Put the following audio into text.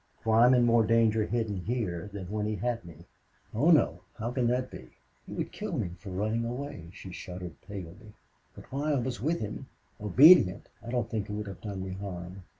"For I'm in more danger hidden here than when he had me." "Oh no! How can that be?" "He would kill me for running away," she shuddered, paling. "But while I was with him, obedient I don't think he would have done me harm.